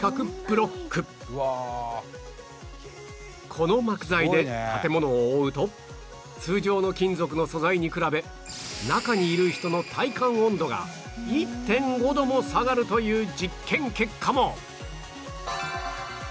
この膜材で建物を覆うと通常の金属の素材に比べ中にいる人の体感温度が １．５ 度も下がるという実験結果も